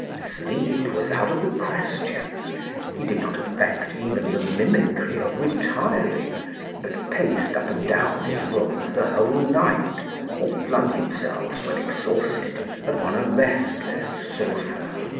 Sleep was out of the question; he did not affect even the mimicry of retiring, but paced up and down his room the whole night, or flung himself, when exhausted, upon a restless sofa.